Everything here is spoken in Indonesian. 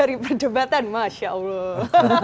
dari perdebatan masya allah